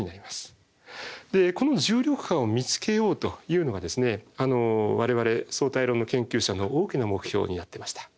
でこの重力波を見つけようというのが我々相対論の研究者の大きな目標になってました。